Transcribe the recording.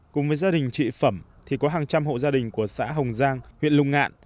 cùng với gia đình chị phẩm thì có hàng trăm hộ gia đình của xã hồng giang huyện lục ngạn